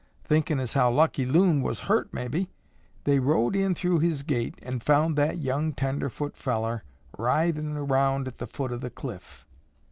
Thinkin' as how Lucky Loon was hurt mabbe, they rode in through his gate an' found that young tenderfoot fellar writhin' around at the foot o' the cliff.